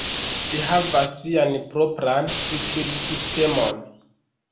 Ĝi havas sian propran skribsistemon.